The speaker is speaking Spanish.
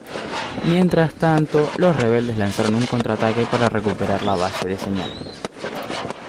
Mientras tanto, los rebeldes lanzaron un contraataque para recuperar la Base de Señal.